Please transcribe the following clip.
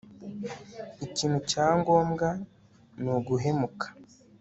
ikintu cya ngombwa nuguhemuka